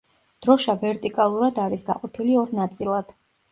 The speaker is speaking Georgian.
დროშა ვერტიკალურად არის გაყოფილი ორ ნაწილად.